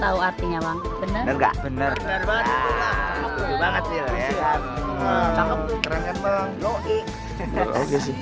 tahu artinya bang bener bener